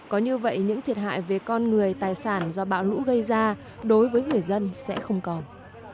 có như vậy những thiệt hại về con người tài sản do bão lũ gây ra đối với người dân sẽ không còn